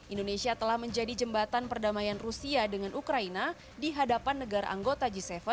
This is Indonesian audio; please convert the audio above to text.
indonesia telah menjadi jembatan perdamaian rusia dengan ukraina di hadapan negara anggota g tujuh